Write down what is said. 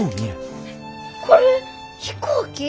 これ飛行機？